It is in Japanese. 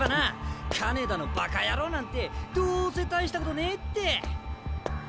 金田のバカ野郎なんてどうせ大したことねえって！